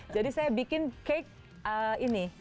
jadi saya bikin cake ini